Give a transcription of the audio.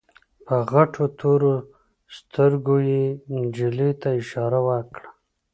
په غټو تورو سترګو يې نجلۍ ته اشاره وکړه.